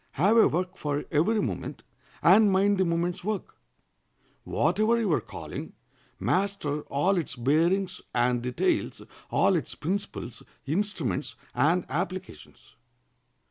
Have a work for every moment, and mind the moment's work. Whatever your calling, master all its bearings and details, all its principles, instruments, and applications.